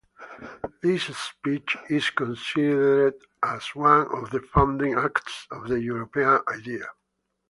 This speech is considered as one of the founding acts of the European idea.